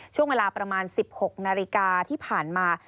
ช่วงเวลาประมาณ๑๖นาฬิกาที่ผ่านมา